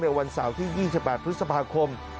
วันเสาร์ที่๒๘พฤษภาคม